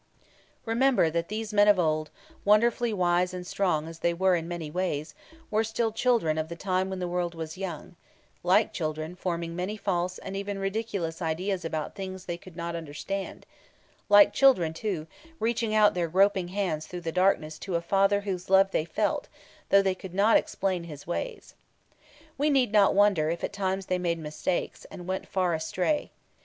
Remember that these men of old, wonderfully wise and strong as they were in many ways, were still the children of the time when the world was young; like children, forming many false and even ridiculous ideas about things they could not understand; like children, too, reaching out their groping hands through the darkness to a Father whose love they felt, though they could not explain His ways. We need not wonder if at times they made mistakes, and went far astray.